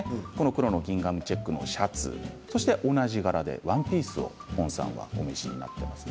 黒のギンガムチェックのシャツと同じ柄でワンピースをｐｏｎさんはお召しになっています。